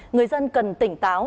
người dân cần tỉnh táo